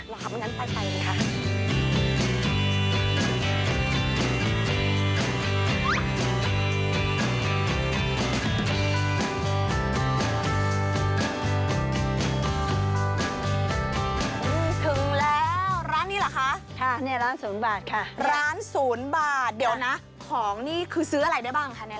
แล้วร้านนี้เหรอคะค่ะนี่ร้านศูนย์บาทค่ะร้านศูนย์บาทเดี๋ยวนะของนี่คือซื้ออะไรได้บ้างคะนี่แหละ